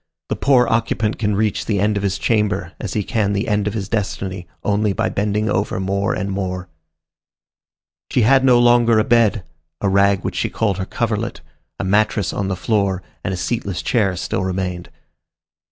The poor occupant can reach the end of his chamber as he can the end of his destiny, only by bending over more and more. She had no longer a bed; a rag which she called her coverlet, a mattress on the floor, and a seatless chair still remained.